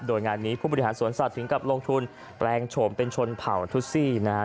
โดยงานนี้ผู้บริหารสวนสัตว์ถึงกับลงทุนแปลงโฉมเป็นชนเผ่าทุซี่นะครับ